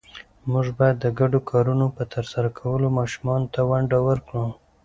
موږ باید د ګډو کارونو په ترسره کولو ماشومانو ته ونډه ورکړو